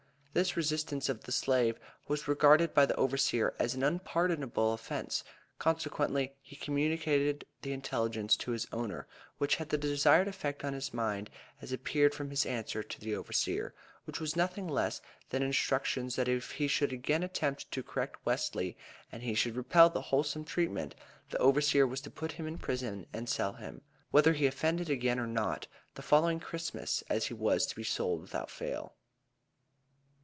This resistance of the slave was regarded by the overseer as an unpardonable offence; consequently he communicated the intelligence to his owner, which had the desired effect on his mind as appeared from his answer to the overseer, which was nothing less than instructions that if he should again attempt to correct Wesley and he should repel the wholesome treatment, the overseer was to put him in prison and sell him. Whether he offended again or not, the following Christmas he was to be sold without fail.